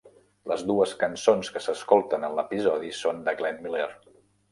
Les dues cançons que s'escolten en l'episodi són de Glenn Miller.